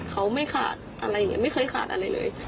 เขาไม่ขาดอะไรอย่างนี้ไม่เคยขาดอะไรเลย